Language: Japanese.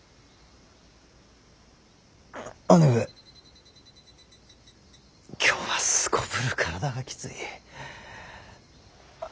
姉上今日はすこぶる体がきつい。